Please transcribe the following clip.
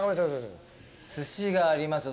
すしがありますよ